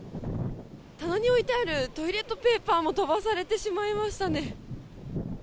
棚に置いてあるトイレットペーパーも飛ばされてしまいましたね。